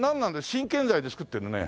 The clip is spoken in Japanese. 新建材で造ってるね。